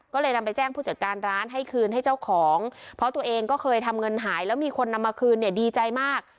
ก็เลยนำไปแจ้งผู้จัดการร้านให้คืนให้เจ้าของเพราะตัวเองก็เคยทำเงินหายแล้วมีคนนำมาคืนเนี่ยดีใจมาก